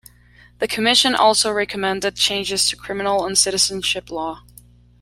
The commission also recommended changes to criminal and citizenship law.